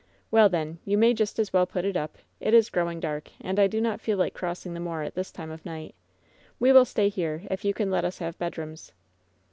'Well, then, you may just as well put it up. It is growing dark, and I do not feel like crossing the moor at this time of night. We "Will stay here, if you can let us have bedrooms."